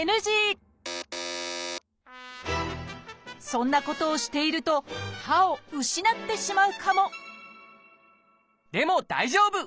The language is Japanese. そんなことをしていると歯を失ってしまうかもでも大丈夫！